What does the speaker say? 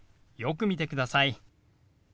よく見てください。